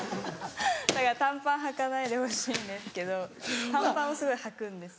だから短パンはかないでほしいんですけど短パンをすごいはくんですよ。